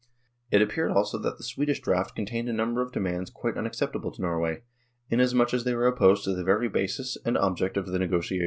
It appeared also that the Swedish draft contained a number of demands quite unacceptable to Norway, inasmuch as they were opposed to the very basis and object of the negotiations.